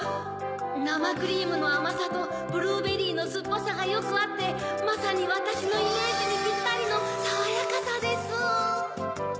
なまクリームのあまさとブルベリのすっぱさがよくあってまさにわたしのイメジにぴったりのさわやかさです。